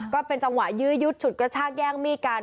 ก็เป็นจังหวะยื้อยุดฉุดกระชากแย่งมีดกัน